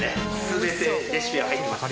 全てレシピは入ってます。